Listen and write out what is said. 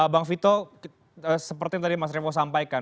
bang vito seperti yang tadi mas revo sampaikan